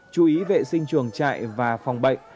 chú ý vệ sinh trường chạy và phòng bệnh